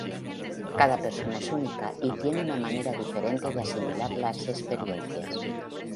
Cada persona es única y tiene una manera diferente de asimilar las experiencias.